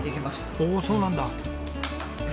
おおそうなんだ！